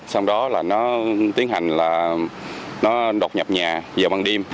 xong đó nó tiến hành là nó đột nhập nhà vào bằng đêm